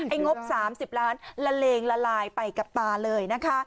งบ๓๐ล้านละเลงละลายไปกับตาเลยนะคะ